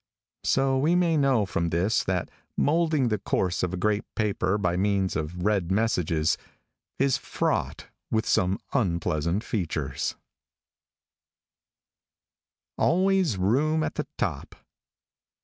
So we may know from this that moulding the course of a great paper by means of red messages, is fraught with some unpleasant features. [Illustration: 0137] ALWAYS BOOM AT THE TOP.